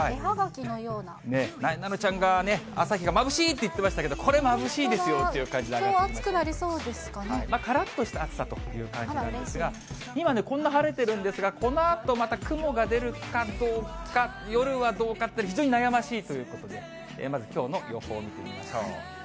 なえなのちゃんがね、朝日がまぶしい！って言ってましたけど、これ、まぶしいですよときょうは暑くなりそうですかからっとした暑さという感じなんですが、今ね、こんな晴れてるんですが、このあとまた雲が出るかどうか、夜はどうかと、非常に悩ましいということで、まずきょうの予報見てみましょう。